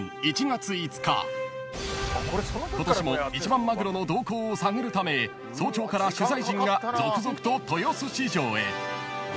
［今年も一番マグロの動向を探るため早朝から取材陣が続々と豊洲市場へ］